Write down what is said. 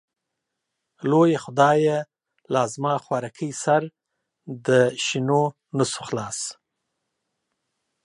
لويه خدايه لازما خوارکۍ سر د شينونسو خلاص.